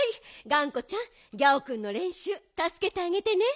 がんこちゃんギャオくんのれんしゅうたすけてあげてね。